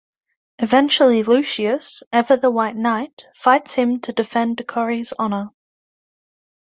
Eventually Lucius, ever the white knight, fights him to defend Corrie's honor.